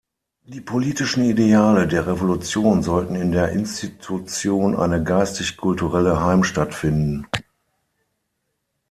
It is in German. Die politischen Ideale der Revolution sollten in der Institution eine geistig-kulturelle Heimstatt finden.